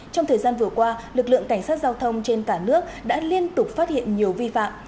trong thời gian vừa qua lực lượng cảnh sát giao thông trên cả nước đã liên tục phát hiện nhiều vi phạm